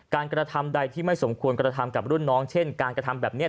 กระทำใดที่ไม่สมควรกระทำกับรุ่นน้องเช่นการกระทำแบบนี้